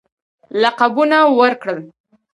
لقبونه ورکړل.